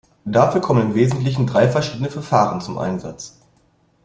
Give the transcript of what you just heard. Dafür kommen im Wesentlichen drei verschiedene Verfahren zum Einsatz.